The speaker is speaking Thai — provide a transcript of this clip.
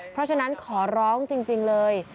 เพราะฉะนั้นขอร้องจริงเลย